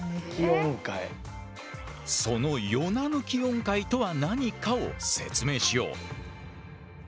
そのヨナ抜き音階とは何かを説明しよう。